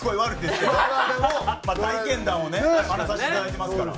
まあ体験談をね話させていただいてますから。